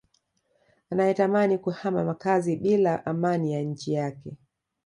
anayetamani kuhama makazi bila amani ya nchi yake